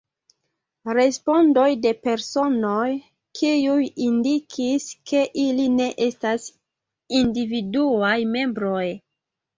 Respondoj de personoj, kiuj indikis, ke ili ne estas individuaj membroj.